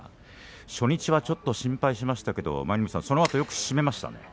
初日はちょっと心配しましたけど舞の海さんそのあと、よく締めましたね。